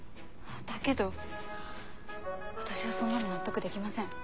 だけど私はそんなの納得できません。